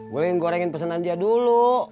gue ingin gorengin pesenan dia dulu